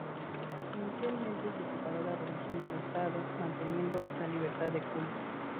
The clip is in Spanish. Inicialmente se separó la religión del Estado, manteniendo la libertad de culto.